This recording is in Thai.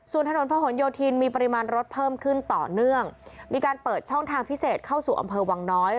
ส่วนถนนพระหลโยธินมีปริมาณรถเพิ่มขึ้นต่อเนื่องมีการเปิดช่องทางพิเศษเข้าสู่อำเภอวังน้อย